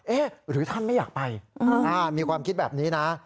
หรือท่านไม่อยากไปมีความคิดแบบนี้นะ